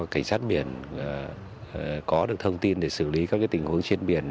cảnh sát biển có được thông tin để xử lý các tình huống trên biển